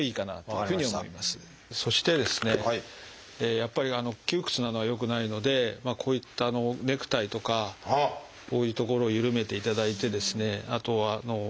やっぱり窮屈なのは良くないのでこういったネクタイとかこういう所をゆるめていただいてですねあとは。